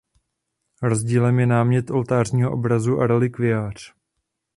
Rozdílem je námět oltářního obrazu a relikviář.